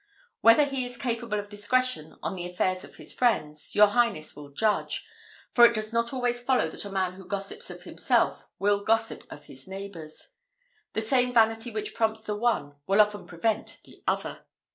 Whether he is capable of discretion on the affairs of his friends, your highness will judge; for it does not always follow that a man who gossips of himself will gossip of his neighbours: the same vanity which prompts the one, will often prevent the other."